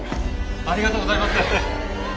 ありがとうございます！